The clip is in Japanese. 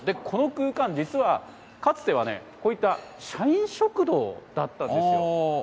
この空間、実はかつては、こういった社員食堂だったんですよ。